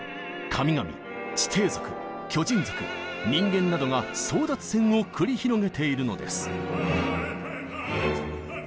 神々地底族巨人族人間などが争奪戦を繰り広げているのです。